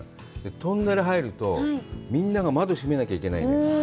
トンネル入ると、みんなが窓閉めなきゃいけないのよ。